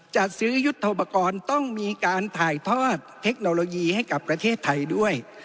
จัดซื้อยุทธโปรกรณ์ต้องมีการถ่ายทอดเทคโนโลยีให้กับประเทศไทยด้วย